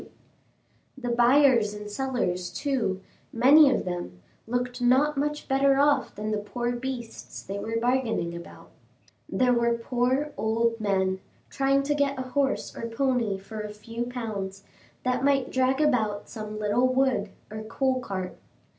The buyers and sellers, too, many of them, looked not much better off than the poor beasts they were bargaining about. There were poor old men, trying to get a horse or pony for a few pounds, that might drag about some little wood or coal cart.